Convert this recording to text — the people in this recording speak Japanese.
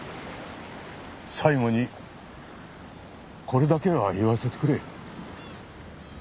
最後にこれだけは言わせてくれ。